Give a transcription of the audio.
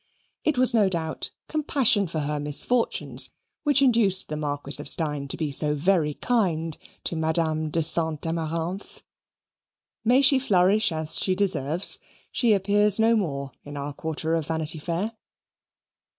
It was no doubt compassion for her misfortunes which induced the Marquis of Steyne to be so very kind to Madame de Saint Amaranthe. May she flourish as she deserves she appears no more in our quarter of Vanity Fair.